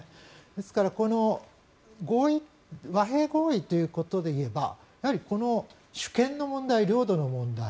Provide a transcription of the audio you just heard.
ですからこの和平合意ということで言えばこの主権の問題、領土の問題